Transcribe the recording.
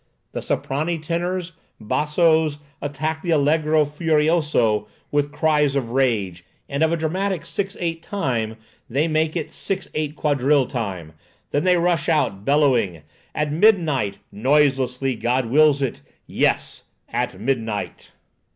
The soprani tenors, bassos, attack the allegro furioso with cries of rage, and of a dramatic 6/8 time they make it 6/8 quadrille time. Then they rush out, bellowing,— "At midnight, Noiselessly, God wills it, Yes, At midnight."